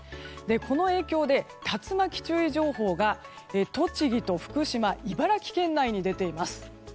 この影響で竜巻注意情報が栃木と福島、茨城県内に出ています。